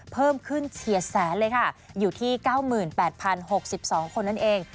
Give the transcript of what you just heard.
เพิ่มขึ้นเฉียดแสนเลยค่ะอยู่ที่๙๘๐๖๒คนนั่นเอง